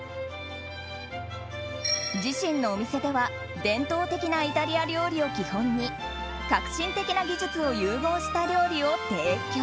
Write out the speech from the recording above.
自身のお店では伝統的なイタリア料理を基本に革新的な技術を融合した料理を提供。